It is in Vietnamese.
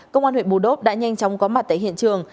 công an huyện bù đốc đã nhanh chóng có mặt tại hiện trường